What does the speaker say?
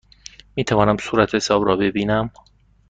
می توانم صورتحساب را ببینم؟